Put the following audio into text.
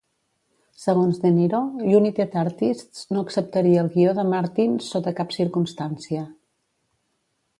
Segons De Niro, United Artists no acceptaria el guió de Martin sota cap circumstància.